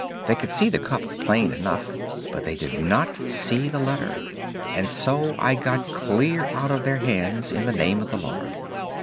They could see the cup plain enough, but they did not see the letter; and so I got clear out of their hands, in the name of the Lord.